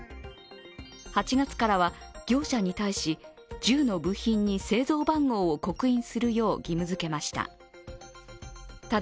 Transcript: ８月からは業者に対し、銃の部品に製造番号を刻印するよう義務付けました。